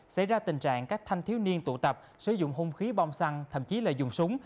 xảy ra tình trạng các thanh thiếu niên tụ tập sử dụng hung khí bom xăng thậm chí là dùng súng